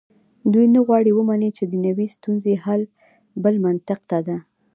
دوی نه غواړي ومني چې دنیوي ستونزو حل بل منطق ته ده.